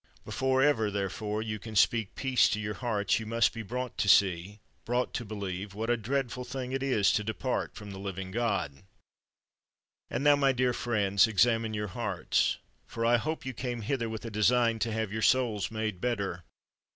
Before ever, therefore, you can speak peace to your hearts, you must be brought to see, brought to believe, what a dreadful thing it is to depart from the living God. And now, my dear friends, examine your hearts, for I hope you came hither with a design to have your souls made better.